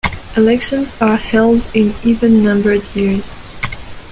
Elections are held in even-numbered years.